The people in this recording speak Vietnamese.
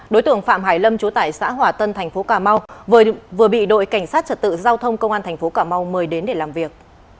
đối tượng phạm hải lâm chú tải xã hòa tân thành phố cà mau vừa bị đội cảnh sát trật tự giao thông công an thành phố cà mau mời đến để làm việc